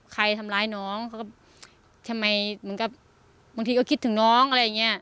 ใครทำร้ายน้องเขาก็ทำไมเหมือนกับบางทีก็คิดถึงน้องอะไรอย่างเงี้ย